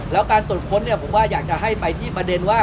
แล้วการตรวจค้นเนี่ยผมว่าอยากจะให้ไปที่ประเด็นว่า